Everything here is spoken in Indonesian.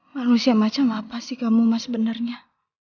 manusia macam apa sih kamu mas sebenarnya